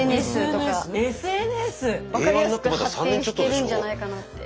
分かりやすく発展してるんじゃないかなって。